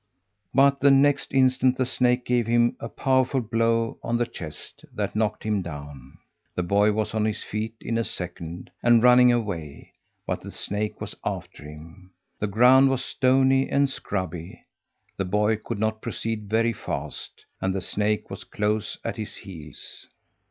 But the next instant the snake gave him a powerful blow on the chest that knocked him down. The boy was on his feet in a second and running away, but the snake was after him! The ground was stony and scrubby; the boy could not proceed very fast; and the snake was close at his heels.